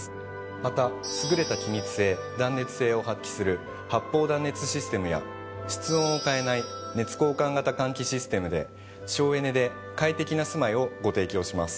また優れた気密性断熱性を発揮する「発泡断熱システム」や室温を変えない「熱交換型換気システム」で省エネで快適な住まいをご提供します。